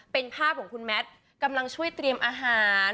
เป็นภาพของคุณแมทกำลังช่วยเตรียมอาหาร